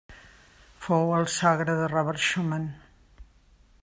Fou el sogre de Robert Schumann.